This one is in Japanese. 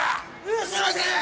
すいません！